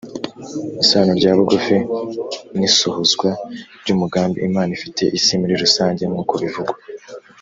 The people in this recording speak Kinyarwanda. isano rya bugufi n isohozwa ry umugambi imana ifitiye isi muri rusange nk uko bivugwa